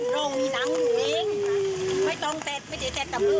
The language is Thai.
จะร่วงในน้ำกว้างหรือว่าหมดมาตั้ง